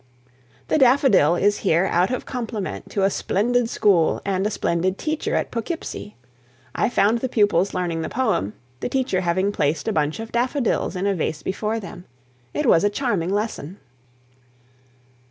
"The Daffodil" is here out of compliment to a splendid school and a splendid teacher at Poughkeepsie. I found the pupils learning the poem, the teacher having placed a bunch of daffodils in a vase before them. It was a charming lesson.